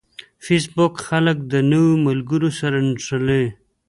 فېسبوک خلک د نوو ملګرو سره نښلوي